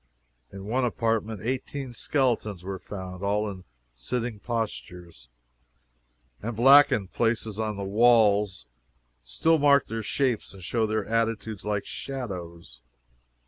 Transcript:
In one apartment eighteen skeletons were found, all in sitting postures, and blackened places on the walls still mark their shapes and show their attitudes, like shadows.